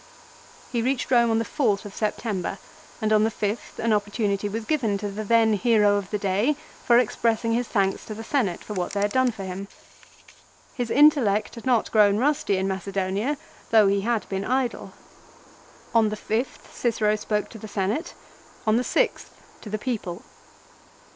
He reached Eome on the 4th of September and on the 5th an opportunity was given to the then hero of the day for expressing his thanks to the Senate for what they had done for him. His intellect had not grown rusty in Macedonia, though he had been idle. On the 5th Cicero spoke to the Senate, on the 6th to the people.